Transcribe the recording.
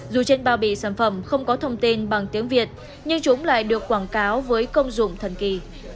dù trên bao bì sản phẩm không có thông tin bằng tiếng việt nhưng chúng lại được quảng cáo với công dụng thần kỳ